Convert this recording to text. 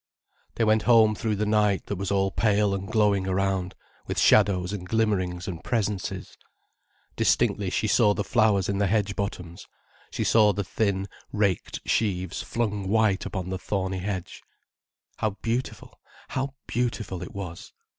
They went home through the night that was all pale and glowing around, with shadows and glimmerings and presences. Distinctly, she saw the flowers in the hedge bottoms, she saw the thin, raked sheaves flung white upon the thorny hedge. How beautiful, how beautiful it was!